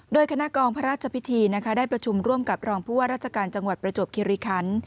โดยคณะกองพระราชพิธีได้ประชุมร่วมกับรองผู้ว่าราชการจังหวัดประจวบคิริคัน